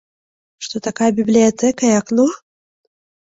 Што такая бібліятэка і акно?